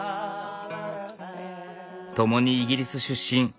ともにイギリス出身。